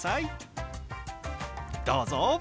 どうぞ！